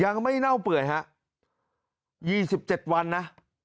ยังไม่เน่าเปื่อยฮะยี่สิบเจ็ดวันนะ